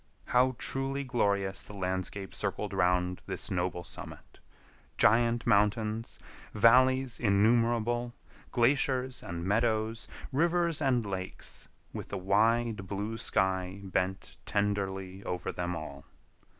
How truly glorious the landscape circled around this noble summit!—giant mountains, valleys innumerable, glaciers and meadows, rivers and lakes, with the wide blue sky bent tenderly over them all.